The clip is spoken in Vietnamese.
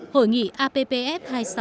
hội nghị appf hai mươi sáu